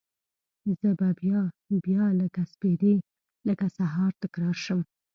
زه به بیا، بیا لکه سپیدې لکه سهار، تکرار شم